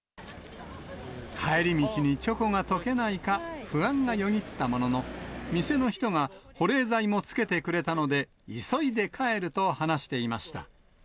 帰り道にチョコが溶けないか不安がよぎったものの、店の人が保冷剤もつけてくれたので、急いで帰ると話していました。